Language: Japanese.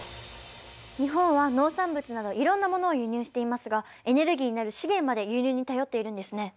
日本は農産物などいろんなものを輸入していますがエネルギーになる資源まで輸入に頼っているんですね。